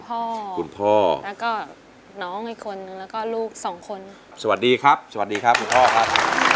คุณพ่อคุณพ่อแล้วก็น้องอีกคนนึงแล้วก็ลูกสองคนสวัสดีครับสวัสดีครับคุณพ่อครับ